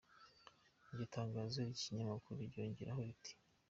Iryo tangazo ry'iki kinyamakuru ryongeraho riti:.